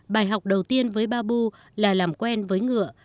bài học đầu tiên với babu là làm quen với ngựa